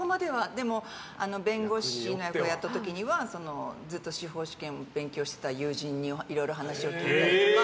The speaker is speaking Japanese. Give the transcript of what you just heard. でも弁護士の役をやった時にはずっと司法試験を勉強していた友人にいろいろ話を聞いたりとか。